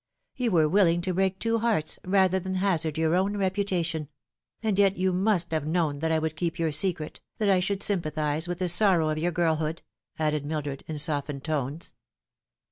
You were willing to break two hearts rather than hazard your own reputation ; and yet you must have known that I would keep your secret, that I should sympathise with the sorrow of your girlhood," added Mildred, in softened tones.